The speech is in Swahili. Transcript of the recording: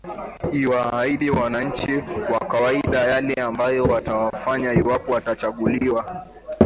iwaahidi wananchi wa kawaida yale ambayo watawafanyia iwapo watachanguliwa